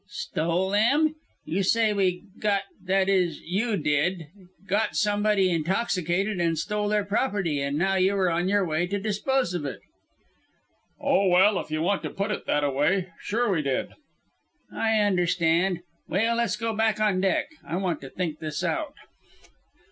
"Stole them? You say we got that is you did got somebody intoxicated and stole their property, and now you are on your way to dispose of it." "Oh, well, if you want to put it thataway. Sure we did." "I understand Well Let's go back on deck. I want to think this out."